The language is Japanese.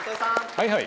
はいはい。